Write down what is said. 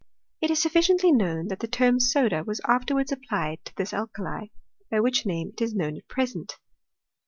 It is sufficiently known Sbat the term soda was afterwards applied to this al kali ; by which name it is known at present.